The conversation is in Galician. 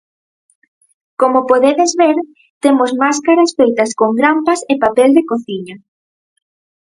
Como podedes ver, temos máscaras feitas con grampas e papel de cociña.